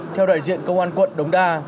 theo đại diện công an quận đống đa